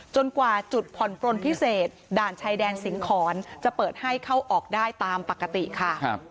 กว่าจุดผ่อนปลนพิเศษด่านชายแดนสิงหอนจะเปิดให้เข้าออกได้ตามปกติค่ะ